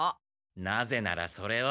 なぜならそれは。